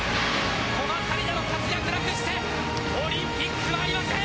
古賀紗理那の活躍なくしてオリンピックはありません！